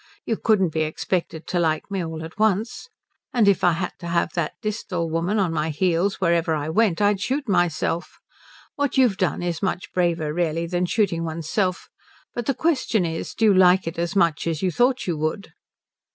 You couldn't be expected to like me all at once. And if I had to have that Disthal woman at my heels wherever I went I'd shoot myself. What you've done is much braver really than shooting one's self. But the question is do you like it as much as you thought you would?"